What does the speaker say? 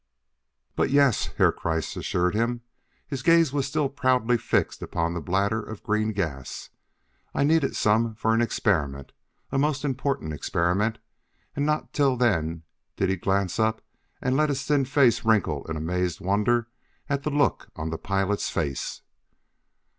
"But yes!" Herr Kreiss assured him. His gaze was still proudly fixed upon the bladder of green gas. "I needed some for an experiment a most important experiment." And not till then did he glance up and let his thin face wrinkle in amazed wonder at the look on the pilot's face.